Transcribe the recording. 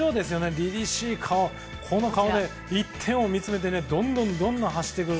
りりしい顔で一点を見つめてどんどん走っていく。